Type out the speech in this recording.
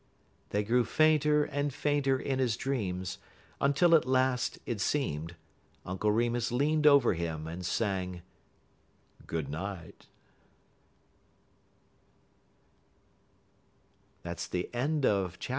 They grew fainter and fainter in his dreams until at last (it seemed) Uncle Remus leaned over him and sang GOOD NIGHT FOOTNOTE: Dorcas.